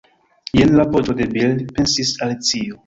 "jen la voĉo de Bil," pensis Alicio.